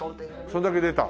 それだけ出た？